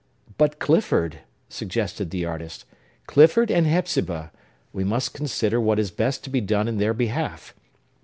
"But Clifford!" suggested the artist. "Clifford and Hepzibah! We must consider what is best to be done in their behalf.